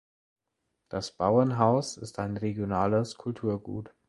Das Bauernhaus ist ein regionales Kulturgut.